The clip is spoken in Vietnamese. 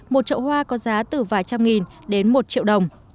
một trậu hoa có giá từ vài trăm nghìn đến một triệu đồng